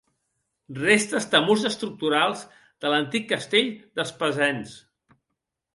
Restes de murs estructurals de l'antic Castell d'Espasens.